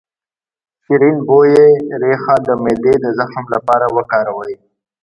د شیرین بویې ریښه د معدې د زخم لپاره وکاروئ